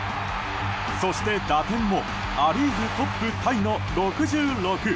そして打点もア・リーグトップタイの６６。